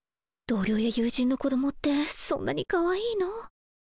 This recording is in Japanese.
同僚や友人の子供ってそんなにかわいいの？